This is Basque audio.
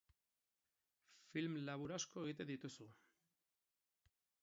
Film labur asko egiten dituzu.